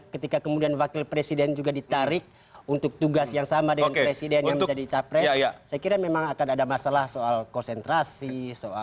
ketika kemudian wakil presiden juga ditarik untuk tugas yang sama dengan presiden yang menjadi capres saya kira memang akan ada masalah soal konsentrasi soal